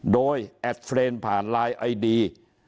โดยแอดเฟรนด์ผ่านไลน์ไอดี